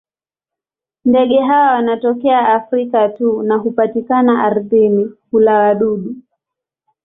Ndege hawa wanatokea Afrika tu na hupatikana ardhini; hula wadudu.